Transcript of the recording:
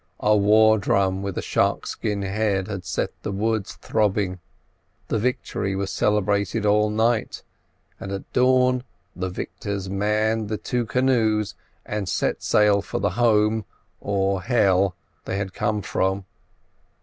A war drum with a shark skin head had set the woods throbbing; the victory was celebrated all night, and at dawn the victors manned the two canoes and set sail for the home, or the hell, they had come from.